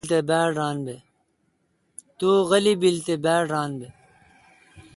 تو غیلی بیل تے باڑ ران بہ۔